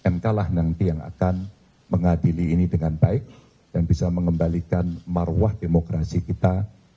mk lah nanti yang akan mengadili ini dengan baik dan bisa mengembalikan marwah demokrasi kita